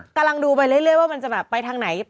กำลังดูไปเรื่อยว่ามันจะแบบไปทางไหน